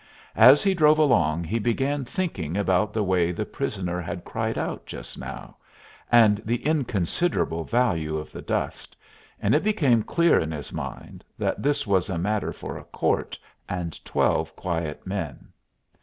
As he drove along he began thinking about the way the prisoner had cried out just now, and the inconsiderable value of the dust, and it became clear in his mind that this was a matter for a court and twelve quiet men.